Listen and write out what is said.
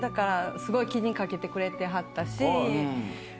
すごい気に掛けてくれてはったし。